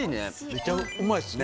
めちゃうまいっすね。